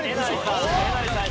えなりさん。